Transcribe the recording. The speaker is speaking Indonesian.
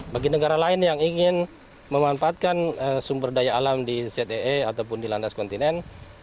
bagi negara lain yang ingin memanfaatkan sumber daya alam di zte ataupun di landas kontinen